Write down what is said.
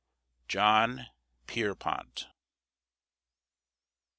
JOHN PIERPONT.